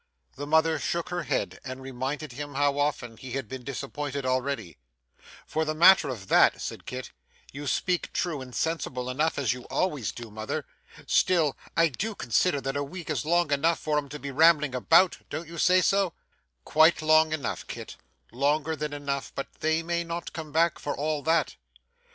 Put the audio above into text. The mother shook her head, and reminded him how often he had been disappointed already. 'For the matter of that,' said Kit, 'you speak true and sensible enough, as you always do, mother. Still, I do consider that a week is quite long enough for 'em to be rambling about; don't you say so?' 'Quite long enough, Kit, longer than enough, but they may not come back for all that.